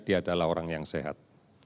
dia adalah orang yang sehat